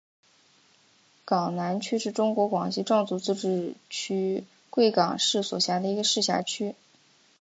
港南区是中国广西壮族自治区贵港市所辖的一个市辖区。